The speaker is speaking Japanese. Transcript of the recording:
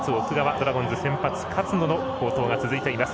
ドラゴンズ先発、勝野の好投が続いています。